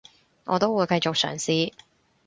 我都會繼續嘗試